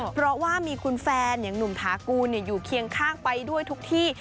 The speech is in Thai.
เพราะว่ามีคุณแฟนอย่างหนุ่มถากูลอยู่เคียงข้างไปด้วยทุกที่